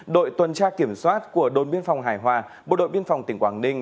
đội tuần tra kiểm soát của đồn biên phòng hải hòa bộ đội biên phòng tỉnh quảng ninh